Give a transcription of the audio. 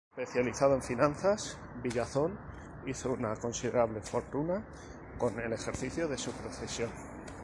Especializado en finanzas, Villazón hizo una considerable fortuna con el ejercicio de su profesión.